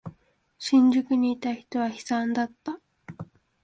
新宿にいた人は悲惨だった。